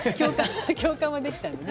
共感はできたよね。